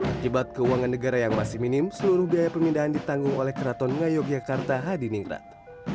akibat keuangan negara yang masih minim seluruh biaya pemindahan ditanggung oleh keraton ngayogyakarta hadi ningrat